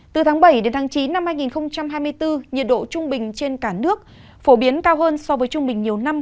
từ tháng bảy đến tháng chín năm hai nghìn hai mươi bốn nhiệt độ trung bình trên cả nước phổ biến cao hơn so với trung bình nhiều năm